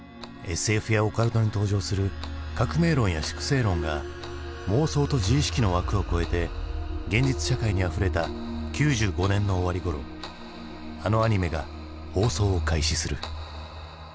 ＳＦやオカルトに登場する革命論や粛清論が妄想と自意識の枠を超えて現実社会にあふれた９５年の終わりごろあのアニメが放送を開始する。